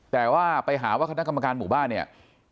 แต่ว่าไปหาว่าคณะกรรมการหมู่บ้านเนี่ย